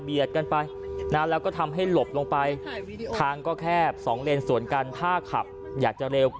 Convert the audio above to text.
กันไปนะแล้วก็ทำให้หลบลงไปทางก็แคบสองเลนสวนกันถ้าขับอยากจะเร็ว